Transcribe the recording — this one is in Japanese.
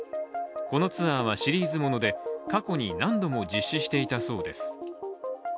このツアーはシリーズもので過去に何度も実施していたそうです。